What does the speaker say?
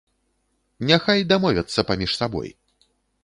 Няхай дамовяцца паміж сабой.